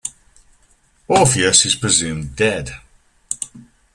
Orpheus is presumed dead.